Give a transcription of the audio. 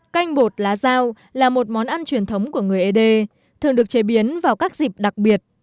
canh bột lá dao là một món ăn truyền thống của người ế đê thường được chế biến vào các dịp đặc biệt